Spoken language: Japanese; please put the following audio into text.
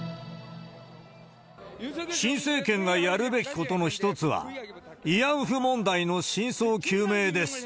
新政権がやるべきことの一つは、慰安婦問題の真相究明です。